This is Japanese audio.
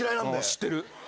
知ってる。